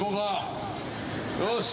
よし。